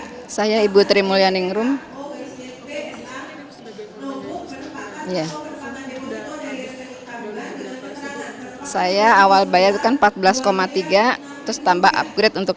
hai saya ibu terimulia ningrum ya saya awal bayar bukan empat belas tiga terus tambah upgrade untuk